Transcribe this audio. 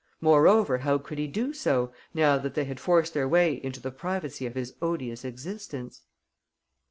Moreover, how could he do so, now that they had forced their way into the privacy of his odious existence?